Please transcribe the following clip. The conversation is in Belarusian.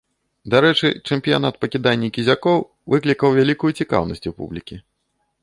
Дарэчы, чэмпіянат па кіданні кізякоў выклікаў вялікую цікаўнасць у публікі.